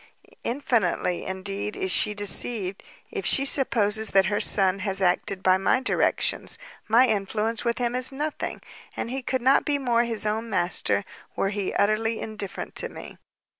infinitely, indeed, is she deceived, if she supposes that her son has acted by my directions; my influence with him is nothing, and he could not be more his own master, were he utterly indifferent to me.